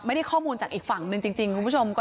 ไม่ได้ข้อมูลจากอีกฝั่งหนึ่งจริง